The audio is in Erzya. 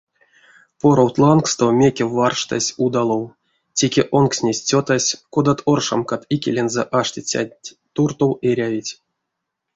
Поровт лангсто мекев варштась удалов, теке онкстнесь-цётась, кодат оршамкат икелензэ аштицянть туртов эрявить.